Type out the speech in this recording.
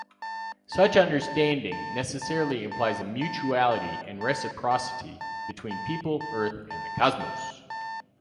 Such understanding necessarily implies a mutuality and reciprocity between people, earth and the cosmos.